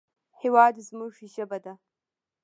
هېواد زموږ ژبه ده